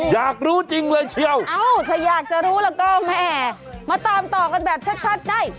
อยากรู้จริงเลยเชียวถ้าอยากจะรู้แล้วก็แม่มาตามต่อกันแบบชัดใน